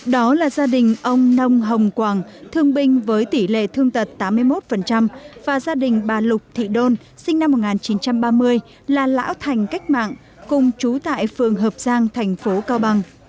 đó là gia đình ông nông hồng quảng thương binh với tỷ lệ thương tật tám mươi một và gia đình bà lục thị đôn sinh năm một nghìn chín trăm ba mươi là lão thành cách mạng cùng chú tại phường hợp giang thành phố cao bằng